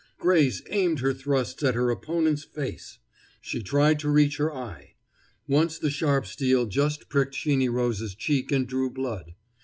Grace aimed her thrusts at her opponent's face. She tried to reach her eye. Once the sharp steel just pricked Sheeny Rose's cheek and drew blood.